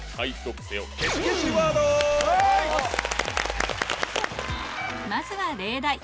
まずは例題